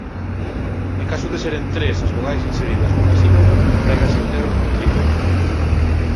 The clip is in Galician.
En caso de seren tres as vogais inseridas nunha sílaba emprégase o termo tritongo.